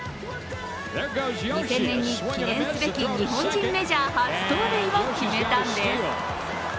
２０００年に記念すべき日本人メジャー初盗塁を決めたんです。